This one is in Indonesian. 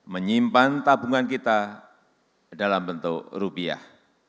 menyimpan tabungan kita dalam bentuk rupiah